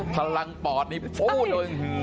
พลังปอดนี้ฟู้วว